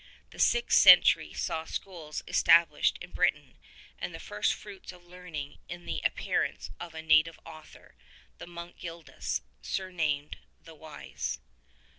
... The sixth century saw schools estab lished in Britain, and the first fruits of learning in the ap pearance of a native author, the monk Gildas, surnamed the Wise.